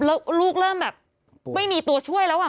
แล้วลูกเริ่มแบบไม่มีตัวช่วยแล้ว